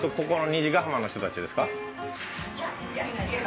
ここの虹ケ浜の人たちですか？